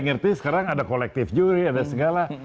ngerti sekarang ada kolektif juri ada segala